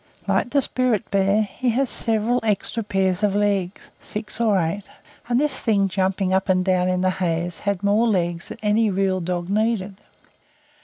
Like the Spirit Bear, he has several extra pairs of legs, six or eight, and this Thing jumping up and down in the haze had more legs than any real dog needed.